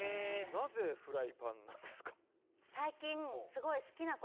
なぜフライパンなんですか？